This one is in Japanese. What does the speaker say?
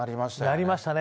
なりましたね。